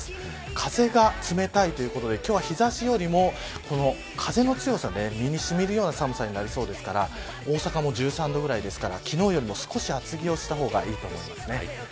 風が冷たいということで今日は日差しよりも風の強さで身にしみるような寒さになりそうですから大阪も１３度ぐらいですから昨日よりも少し厚着をした方がいいと思いますね。